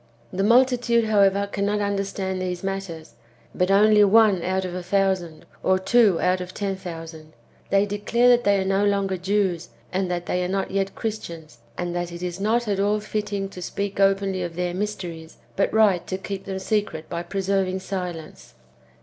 The multitude^ however, cannot understand these matters, but only one out of a thousand, or two out of ten thousand. They declare that they are no longer Jews, and that they are not yet Christians ; and that it is not at all fitting to speak openly of tlieir mysteries, but right to keep them secret by preserving silence.